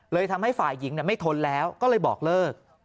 ทำให้ฝ่ายหญิงไม่ทนแล้วก็เลยบอกเลิก